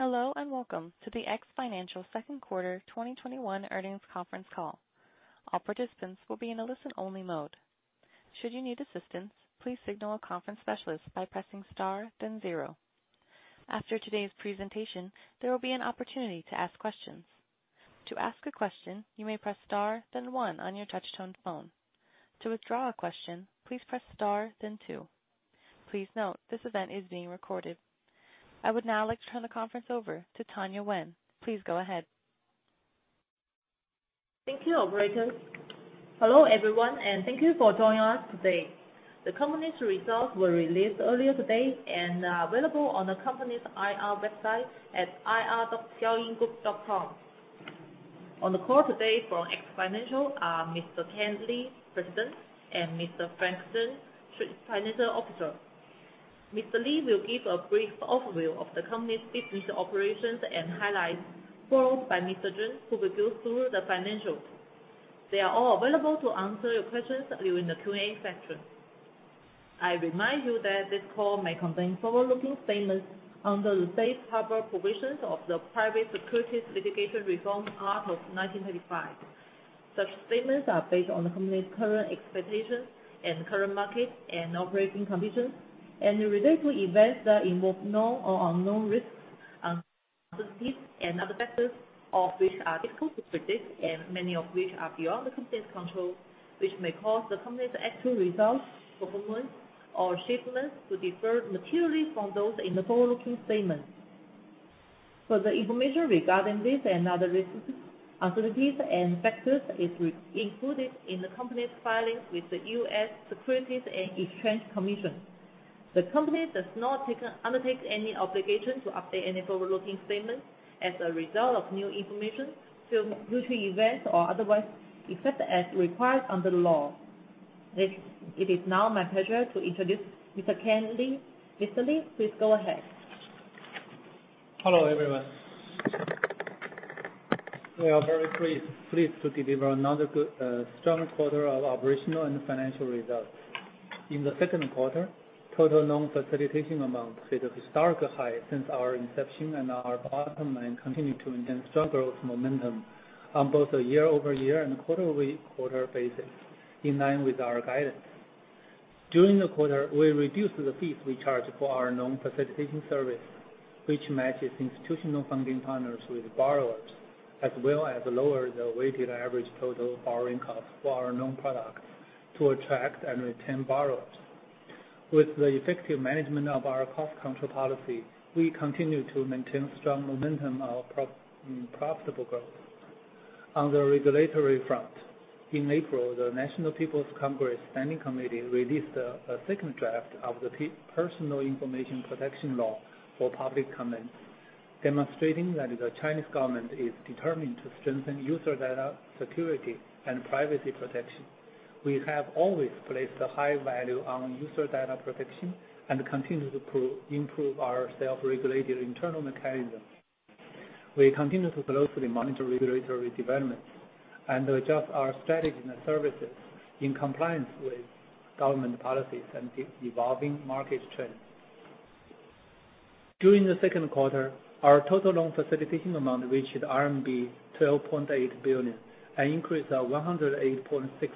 Hello, and welcome to the X Financial Q2 2021 earnings conference call. I would now like to turn the conference over to Tanya Wen. Please go ahead. Thank you, operator. Hello, everyone, and thank you for joining us today. The company's results were released earlier today and are available on the company's IR website at ir.xiaoyinggroup.com. On the call today from X Financial are Mr. Kan Li, President, and Mr. Frank Zheng, Chief Financial Officer. Mr. Li will give a brief overview of the company's business operations and highlights, followed by Mr. Zheng, who will go through the financials. They are all available to answer your questions during the Q&A session. I remind you that this call may contain forward-looking statements under the safe harbor provisions of the Private Securities Litigation Reform Act of 1995. Such statements are based on the company's current expectations and current market and operating conditions, and relate to events that involve known or unknown risks, uncertainties and other factors, all of which are difficult to predict and many of which are beyond the company's control, which may cause the company's actual results, performance or achievements to differ materially from those in the forward-looking statements. Further information regarding these and other risks, uncertainties and factors is included in the company's filings with the U.S. Securities and Exchange Commission. The company does not undertake any obligation to update any forward-looking statements as a result of new information, future events or otherwise, except as required under the law. It is now my pleasure to introduce Mr. Kan Li. Mr. Li, please go ahead. Hello, everyone. We are very pleased to deliver another good, strong quarter of operational and financial results. In the Q2, total loan facilitation amounts hit a historic high since our inception, and our bottom line continued to maintain strong growth momentum on both a year-over-year and quarter-over-quarter basis, in line with our guidance. During the quarter, we reduced the fees we charge for our loan facilitation service, which matches institutional funding partners with borrowers, as well as lower the weighted average total borrowing cost for our loan products to attract and retain borrowers. With the effective management of our cost control policy, we continue to maintain strong momentum of profitable growth. On the regulatory front, in April, the National People's Congress Standing Committee released a second draft of the Personal Information Protection Law for public comment, demonstrating that the Chinese government is determined to strengthen user data security and privacy protection. We have always placed a high value on user data protection and continue to improve our self-regulated internal mechanism. We continue to closely monitor regulatory developments and adjust our strategies and services in compliance with government policies and the evolving market trends. During the Q2, our total loan facilitation amount reached RMB 12.8 billion, an increase of 108.6% year-over-year and 18.2%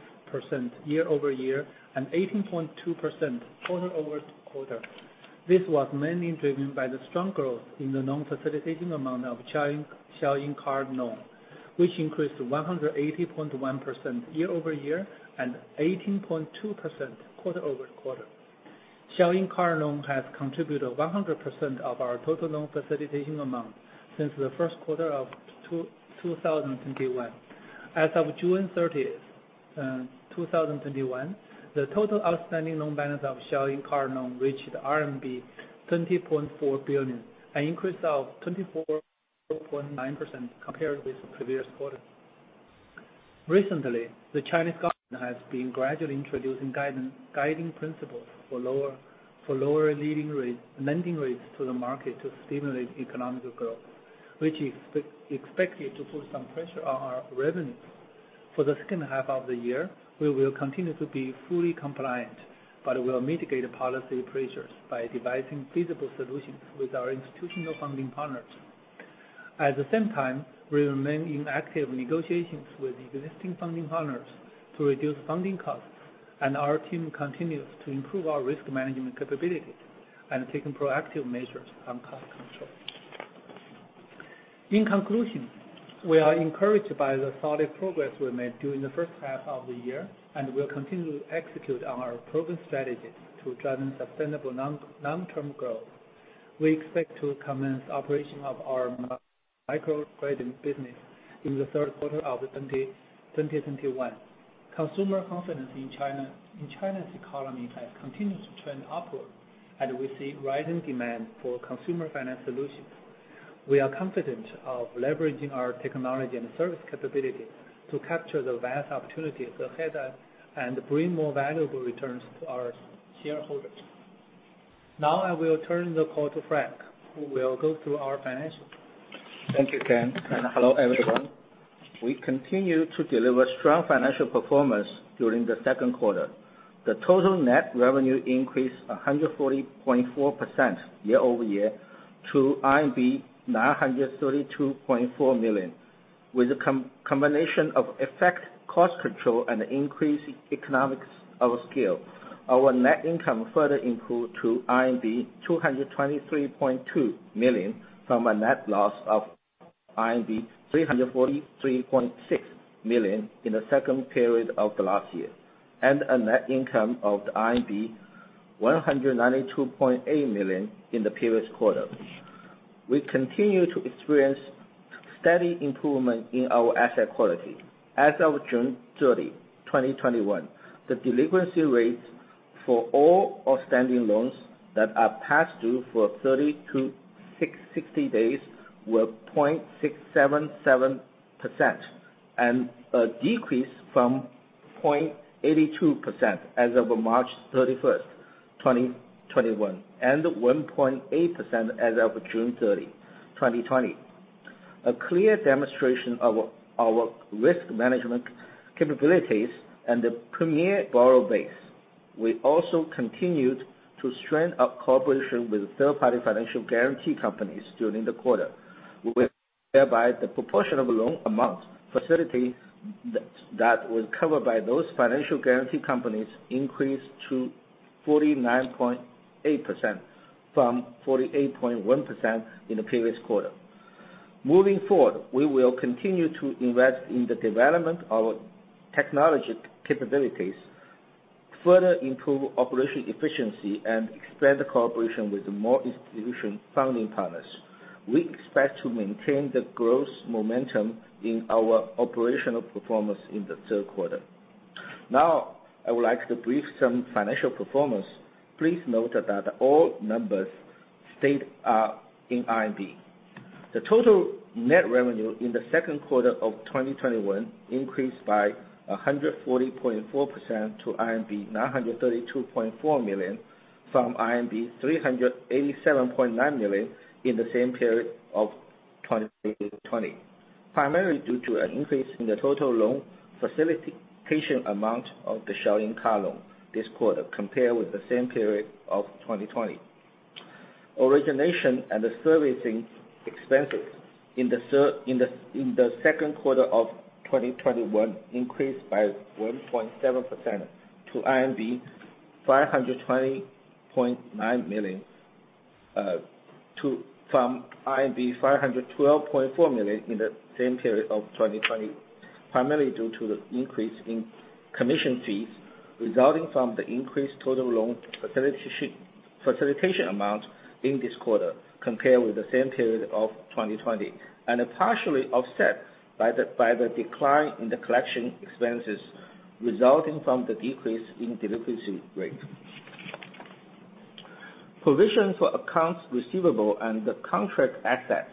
quarter-over-quarter. This was mainly driven by the strong growth in the loan facilitation amount of Xiaoying Card Loan, which increased 180.1% year-over-year and 18.2% quarter-over-quarter. Xiaoying Card Loan has contributed 100% of our total loan facilitation amount since the Q1 of 2021. As of June 30th, 2021, the total outstanding loan balance of Xiaoying Card Loan reached RMB 20.4 billion, an increase of 24.9% compared with the previous quarter. Recently, the Chinese government has been gradually introducing guiding principles for lower lending rates to the market to stimulate economic growth, which is expected to put some pressure on our revenues. For the H2 of the year, we will continue to be fully compliant, but will mitigate policy pressures by devising feasible solutions with our institutional funding partners. At the same time, we remain in active negotiations with existing funding partners to reduce funding costs, and our team continues to improve our risk management capabilities and taking proactive measures on cost control. In conclusion, we are encouraged by the solid progress we made during the H1 of the year and will continue to execute on our proven strategies to drive sustainable long-term growth. We expect to commence operation of our microcredit business in the Q3 of 2021. Consumer confidence in China's economy has continued to trend upward, and we see rising demand for consumer finance solutions. We are confident of leveraging our technology and service capability to capture the vast opportunities ahead and bring more valuable returns to our shareholders. Now, I will turn the call to Frank, who will go through our financials. Thank you, Kan, and hello, everyone. We continue to deliver strong financial performance during the Q2. The total net revenue increased 140.4% year-over-year to 932.4 million. With a combination of effective cost control and increased economics of scale, our net income further improved to 223.2 million from a net loss of 343.6 million in the second period of the last year, and a net income of 192.8 million in the previous quarter. We continue to experience steady improvement in our asset quality. As of June 30th, 2021, the delinquency rates for all outstanding loans that are past due for 30 to 60 days were 0.677%, and a decrease from 0.82% as of March 31st, 2021, and 1.8% as of June 30, 2020. A clear demonstration of our risk management capabilities and a premier borrow base. We also continued to strengthen our cooperation with third-party financial guarantee companies during the quarter, whereby the proportion of loan amount facility that was covered by those financial guarantee companies increased to 49.8%, from 48.1% in the previous quarter. Moving forward, we will continue to invest in the development of technology capabilities, further improve operation efficiency, and expand the cooperation with more institutional funding partners. We expect to maintain the growth momentum in our operational performance in the Q3. Now, I would like to brief some financial performance. Please note that all numbers stated are in RMB. The total net revenue in the Q2 of 2021 increased by 140.4% to RMB 932.4 million from RMB 387.9 million in the same period of 2020, primarily due to an increase in the total loan facilitation amount, and the Originations and servicing expenses in the Q2 of 2021 increased by 1.7% to 520.9 million, from 512.4 million in the same period of 2020, primarily due to the increase in commission fees resulting from the increased total loan facilitation amount in this quarter compared with the same period of 2020, and are partially offset by the decline in the collection expenses resulting from the decrease in delinquency rate. Provision for accounts receivable and contract assets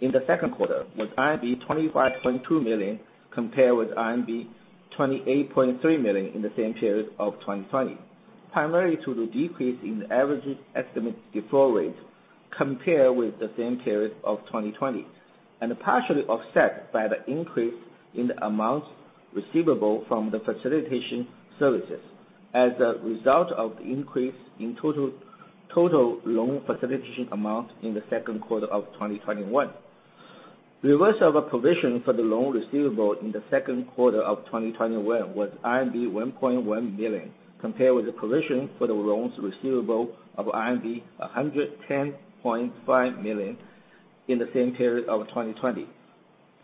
in the Q2 was RMB 25.2 million, compared with RMB 28.3 million in the same period of 2020, primarily due to the decrease in the average estimated default rate compared with the same period of 2020, and partially offset by the increase in the amounts receivable from the loan facilitation services as a result of the increase in total loan facilitation amount in the Q2 of 2021. Reversal of a provision for the loan receivable in the Q2 of 2021 was RMB 1.1 million, compared with the provision for the loan receivable of RMB 110.5 million in the same period of 2020,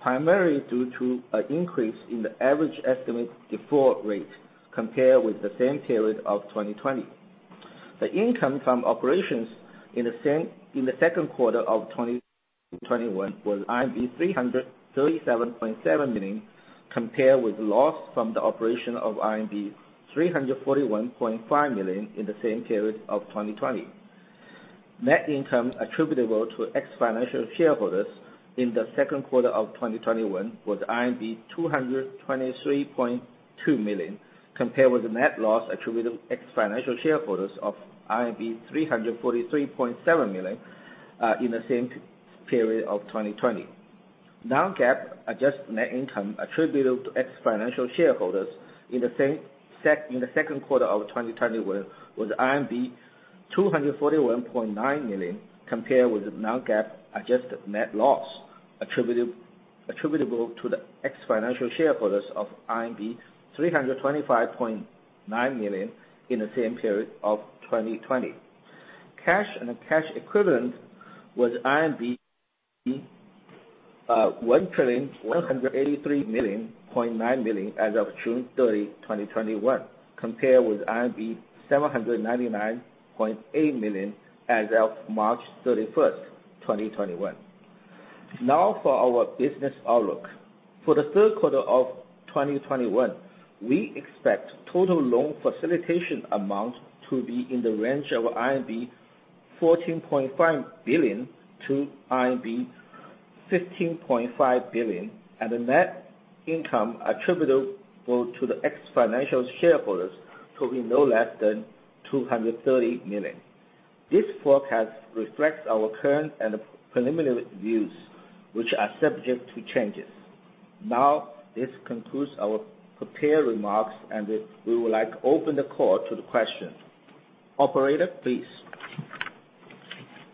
primarily due to an increase in the average estimated default rate compared with the same period of 2020. The income from operations in the Q2 of 2021 was RMB 337.7 million, compared with loss from the operation of RMB 341.5 million in the same period of 2020. Net income attributable to X Financial shareholders in the Q2 of 2021 was 223.2 million, compared with the net loss attributable to X Financial shareholders of 343.7 million, in the same period of 2020. Non-GAAP adjusted net income attributable to X Financial shareholders in the Q2 of 2021 was RMB 241.9 million, compared with the non-GAAP adjusted net loss attributable to the X Financial shareholders of 325.9 million in the same period of 2020. Cash and cash equivalents was 1,000,183.9 million as of June 30, 2021, compared with 799.8 million as of March 31st, 2021. Now for our business outlook. For the Q3 of 2021, we expect total loan facilitation amount to be in the range of RMB 14.5 billion to RMB 15.5 billion. income attributable to the X Financial shareholders to be no less than 230 million. This forecast reflects our current and preliminary views, which are subject to changes. This concludes our prepared remarks, and we would like to open the call to the questions. Operator, please.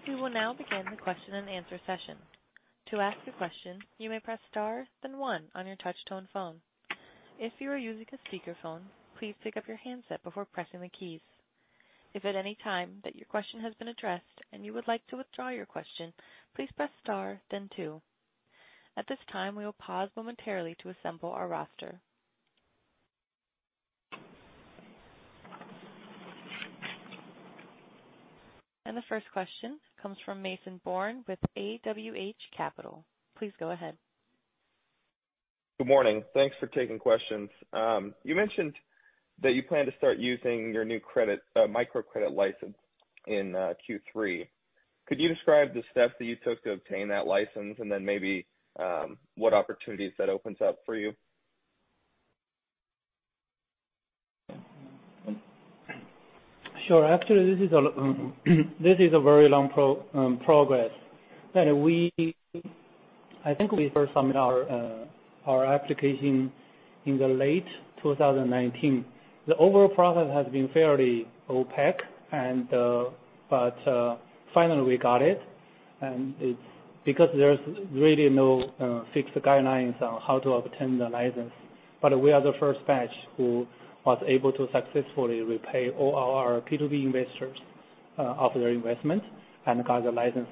We will now begin the question and answer session. At this time, we will pause momentarily to assemble our roster. The first question comes from Mason Bourne with AWH Capital. Please go ahead. Good morning. Thanks for taking questions. You mentioned that you plan to start using your new microcredit license in Q3. Could you describe the steps that you took to obtain that license, and then maybe what opportunities that opens up for you? Sure. Actually, this is a very long progress. I think we first submitted our application in late 2019. The overall process has been fairly opaque. Finally, we got it. It's because there's really no fixed guidelines on how to obtain the license. We are the first batch who was able to successfully repay all our P2P investors of their investment and got the license.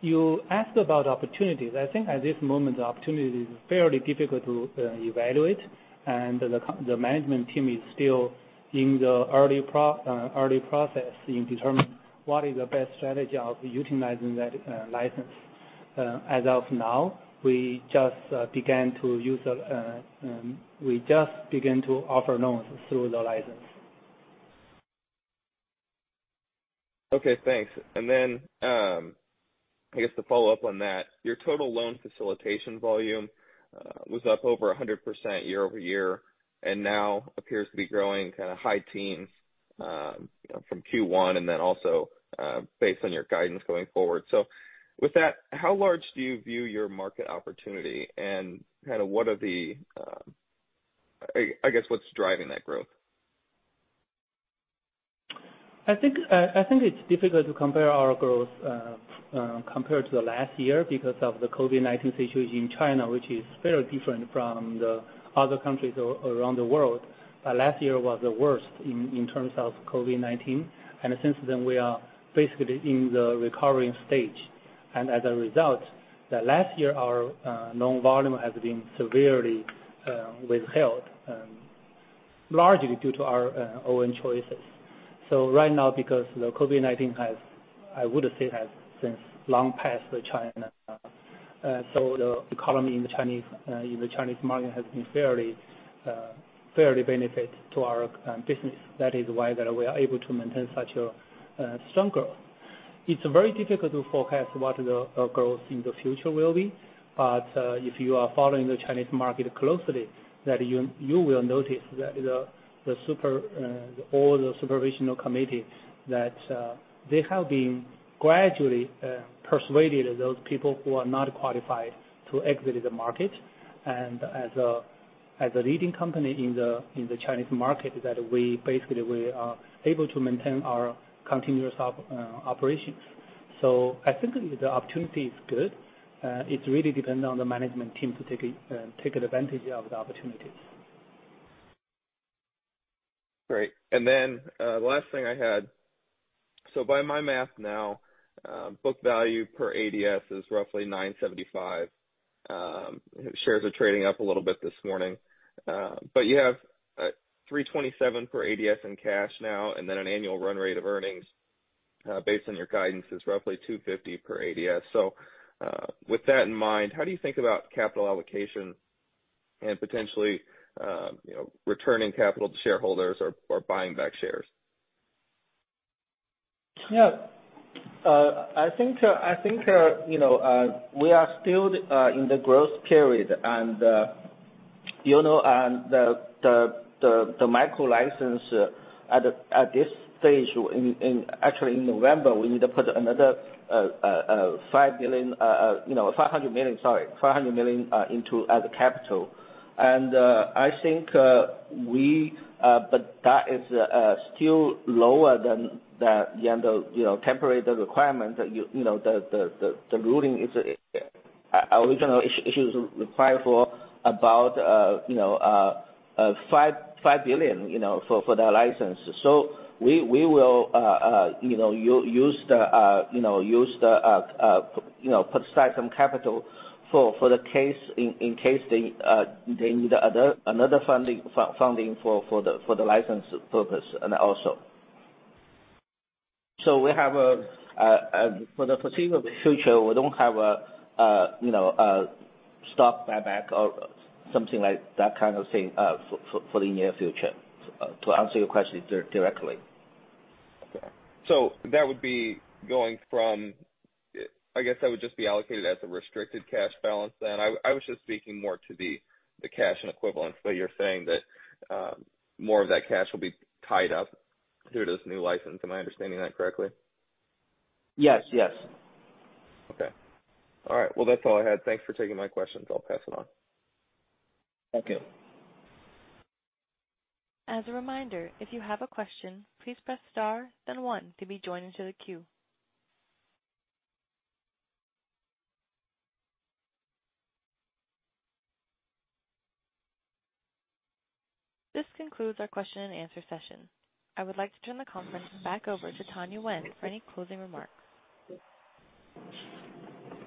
You asked about opportunities. I think at this moment, the opportunity is fairly difficult to evaluate, and the management team is still in the early process in determining what is the best strategy of utilizing that license. As of now, we just began to offer loans through the license. Okay, thanks. I guess to follow up on that, your total loan facilitation volume was up over 100% year-over-year, and now appears to be growing kind of high teens from Q1, and then also based on your guidance going forward. With that, how large do you view your market opportunity? I guess, what's driving that growth? I think it's difficult to compare our growth compared to last year because of the COVID-19 situation in China, which is very different from the other countries around the world. Last year was the worst in terms of COVID-19, and since then, we are basically in the recovering stage. As a result, last year, our loan volume has been severely withheld, largely due to our own choices. Right now, because the COVID-19 has, I would say, has since long passed China. The economy in the Chinese market has been fairly benefit to our business. That is why that we are able to maintain such a strong growth. It's very difficult to forecast what the growth in the future will be. If you are following the Chinese market closely, then you will notice that all the supervisory committees have been gradually persuading those people who are not qualified to exit the market. As a leading company in the Chinese market, we basically are able to maintain our continuous operations. I think the opportunity is good. It really depends on the management team to take advantage of the opportunities. Great. The last thing I had. By my math now, book value per ADS is roughly 975. Shares are trading up a little bit this morning. You have 327 per ADS in cash now, and then an annual run rate of earnings based on your guidance is roughly 250 per ADS. With that in mind, how do you think about capital allocation and potentially returning capital to shareholders or buying back shares? Yeah, I think we are still in the growth period. The micro license at this stage, actually in November, we need to put another 500 million as capital. I think that is still lower than the temporary requirement that the ruling is original issues require for about 5 billion for the license. We will put aside some capital in case they need another funding for the license purpose also. For the foreseeable future, we don't have a stock buyback or something like that kind of thing for the near future, to answer your question directly. Okay. That would be going from I guess that would just be allocated as a restricted cash balance then. I was just speaking more to the cash and equivalents. You're saying that more of that cash will be tied up due to this new license. Am I understanding that correctly? Yes, yes. Okay. All right. Well, that's all I had. Thanks for taking my questions. I'll pass it on. Thank you. As a reminder, if you have a question, please press star then one to be joined into the queue. This concludes our question and answer session. I would like to turn the conference back over to Tanya Wen for any closing remarks.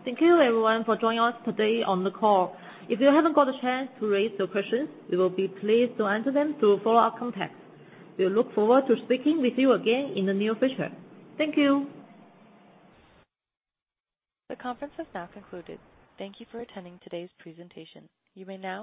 Thank you everyone for joining us today on the call. If you haven't got a chance to raise your questions, we will be pleased to answer them through follow-up contact. We look forward to speaking with you again in the near future. Thank you. The conference has now concluded. Thank you for attending today's presentation.